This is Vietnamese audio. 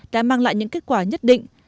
đã mang lại những kết quả nhất định